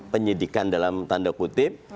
penyidikan dalam tanda kutip